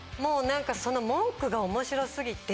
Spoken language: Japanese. その文句が面白過ぎて。